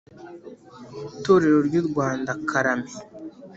torero ry‘ u rwanda karame,